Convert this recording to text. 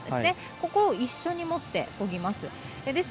ここを一緒に持って、こぎます。